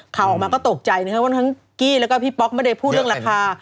ข่าวออกมาก็ตกใจนะครับว่าทั้งกี้แล้วก็พี่ป๊อกไม่ได้พูดเรื่องราคา